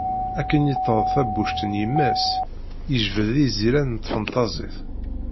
Akken yeṭṭeḍ tabbuct n yemma-s, yejbed iziran n tfenṭazit.